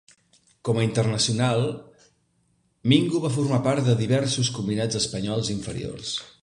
Com a internacional, Mingo va formar part de diversos combinats espanyols inferiors.